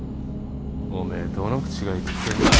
おめえどの口が言ってんだよ。